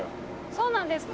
そうなんですか？